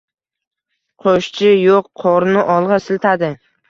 Qo‘shchi yo‘q qorinni olg‘a siltadi.